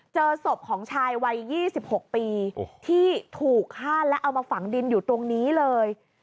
เจอศพของชายวัย๒๖ปีที่ถูกฆ่าและเอามาฝังดินอยู่ตรงนี้เลย